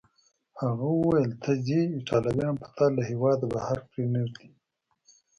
هغه وویل: ته ځې، ایټالویان به تا له هیواده بهر پرېنږدي.